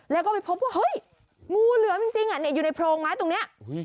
แล้วก็ไปพบว่าเฮ้ยงูเหลือมจริงอยู่ในโพรงไม้ตรงนี้